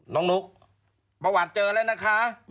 นุ๊กประวัติเจอแล้วนะคะ